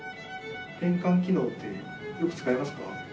変換機能ってよく使いますか？